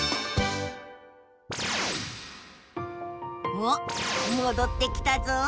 おっもどってきたぞ！